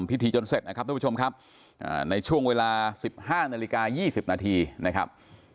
จนเสร็จนะครับทุกผู้ชมครับในช่วงเวลา๑๕นาฬิกา๒๐นาทีนะครับ